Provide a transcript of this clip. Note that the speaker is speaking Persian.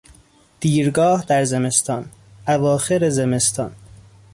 دیرگاه در زمستان، اواخر زمستان